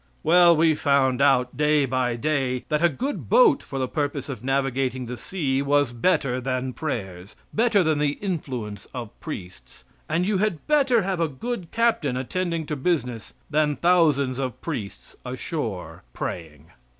Well, we found out, day by day, that a good boat for the purpose of navigating the sea was better than prayers, better than the influence of priests; and you had better have a good captain attending to business than thousands of priests ashore praying.